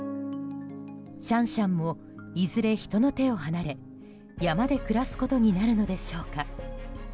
シャンシャンもいずれ人の手を離れ山で暮らすことになるのでしょうか。